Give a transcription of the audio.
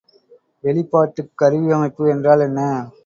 வெளிப்பாட்டுக் கருவியமைப்பு என்றால் என்ன?